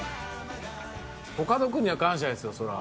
コカド君には、感謝ですよ、そりゃ。